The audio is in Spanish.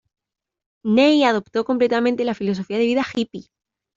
Ney adoptó completamente la filosofía de vida hippie.